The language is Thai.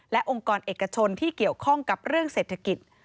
และองค์กรเอกชนที่เกี่ยวข้องกับเรื่องเศรษฐกิจ